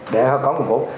để họ có nguồn vốn